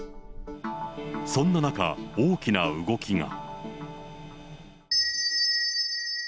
そんな中、大きな動きが。